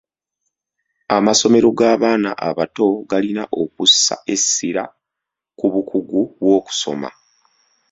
Amasomero g'abaana abato galina okussa essira ku bukugu bw'okusoma.